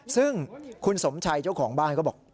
ซึ่งคุณสมชัยเจ้าของบ้านก็บอก